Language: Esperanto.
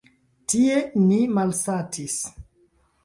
Tie ni malsatis.